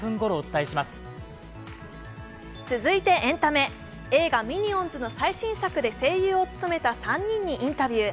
続いてエンタメ、映画「ミニオンズ」の最新作で声優を務めた３人にインタビュー。